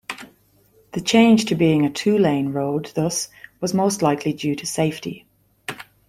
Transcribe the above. The change to being a two-lane road thus was most likely due to safety.